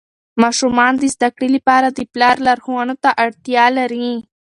ماشومان د زده کړې لپاره د پلار لارښوونو ته اړتیا لري.